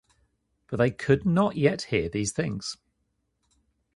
But they could not yet hear these things.